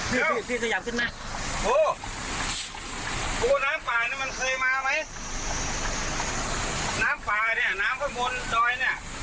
โหโหน้ำป่าเนี้ยมันเคยมาไหมน้ำป่าเนี้ยน้ำข้างบนดอยเนี้ย